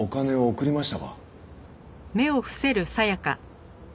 送りました。